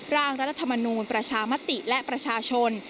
ร่างรัฐธรรมนูลประชามติและประชาชน